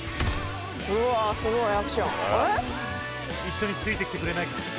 一緒についてきてくれないか？